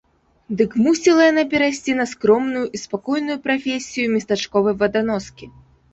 Дык мусіла яна перайсці на скромную і спакойную прафесію местачковай ваданоскі.